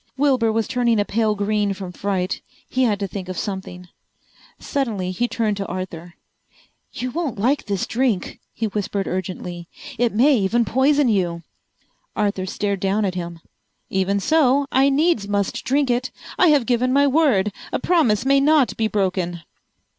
Wilbur was turning a pale green from fright. He had to think of something. Suddenly he turned to Arthur. "You won't like this drink," he whispered urgently. "It may even poison you!" Arthur stared down at him. "Even so I needs must drink it. I have given my word. A promise may not be broken."